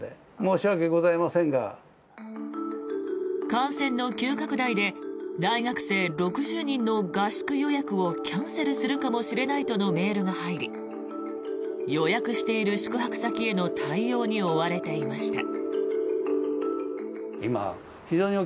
感染の急拡大で大学生６０人の合宿予約をキャンセルするかもしれないとのメールが入り予約している宿泊先への対応に追われていました。